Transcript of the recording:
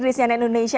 di siena indonesia